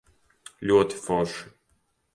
Ļoti forši.